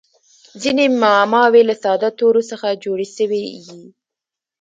ځیني معماوي له ساده تورو څخه جوړي سوي يي.